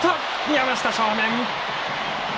山下、正面！